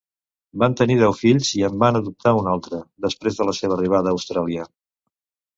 Van tenir deu fills i en van adoptar un altre després de la seva arribada a Austràlia.